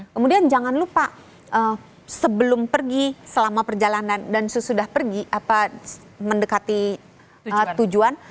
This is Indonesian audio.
kemudian jangan lupa sebelum pergi selama perjalanan dan sesudah pergi mendekati tujuan